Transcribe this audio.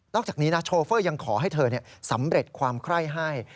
จากนี้นะโชเฟอร์ยังขอให้เธอสำเร็จความไคร้ให้